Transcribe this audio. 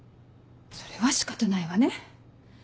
それは仕方ないわね。